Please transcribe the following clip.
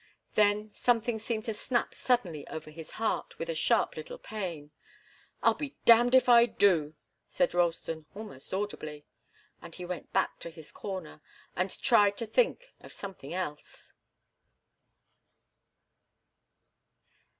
Then something seemed to snap suddenly over his heart, with a sharp little pain. "I'll be damned if I do," said Ralston, almost audibly. And he went back to his corner, and tried to think of something else.